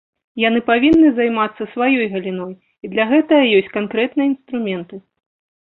Яны павінны займацца сваёй галіной, і для гэтага ёсць канкрэтныя інструменты.